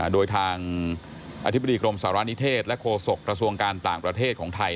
โดยทางอธิบดีกรมสารณิเทศและโฆษกระทรวงการต่างประเทศของไทย